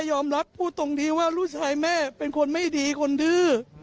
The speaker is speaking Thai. ยอมรับพูดตรงที่ว่าลูกชายแม่เป็นคนไม่ดีคนดื้อ